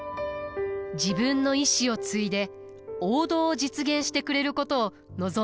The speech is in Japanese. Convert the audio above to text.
自分の意志を継いで王道を実現してくれることを望んでいたのです。